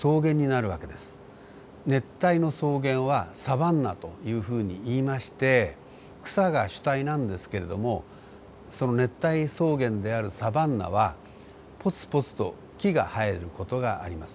熱帯の草原はサバンナというふうにいいまして草が主体なんですけれどもその熱帯草原であるサバンナはぽつぽつと木が生える事があります。